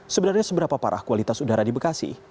sebenarnya seberapa parah kualitas udara di bekasi